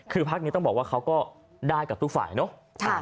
คือพักนี้ต้องบอกว่าเขาก็ได้กับทุกฝ่ายเนอะ